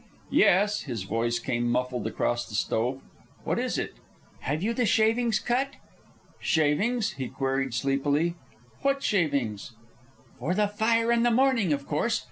"Yes," his voice came muffled across the stove. "What is it?" "Have you the shavings cut?" "Shavings?" he queried, sleepily. "What shavings?" "For the fire in the morning, of course.